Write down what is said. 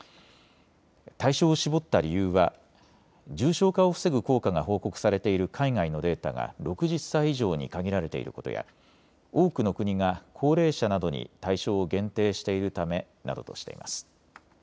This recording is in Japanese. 対象を絞った理由は重症化を防ぐ効果が報告されている海外のデータが６０歳以上に限られていることや多くの国が高齢者などに対象を限定しているためなどとしています。